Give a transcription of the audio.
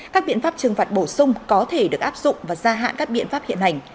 các biện pháp trừng phạt bổ sung có thể được áp dụng và gia hạn các biện pháp hiện hành